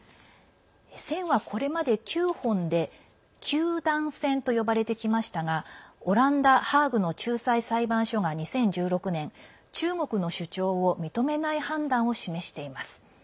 線は、これまで９本で九段線と呼ばれてきましたがオランダ・ハーグの仲裁裁判所が２０１６年中国の主張を認めない判断を示しています。